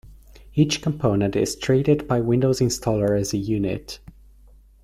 Each component is treated by Windows Installer as a unit.